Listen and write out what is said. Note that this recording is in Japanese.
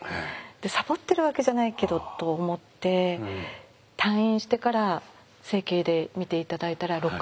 サボってるわけじゃないけどと思って退院してから整形で診て頂いたら６か所折れて。